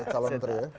kalau menteri ya